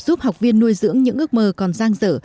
giúp học viên nuôi dưỡng những ước mơ còn giang dở